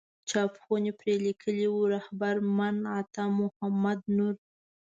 چاپ خونې پرې لیکلي وو رهبر من عطا محمد نور.